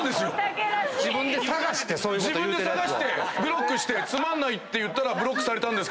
自分で探して⁉自分で探してブロックして「つまんないって言ったらブロックされた。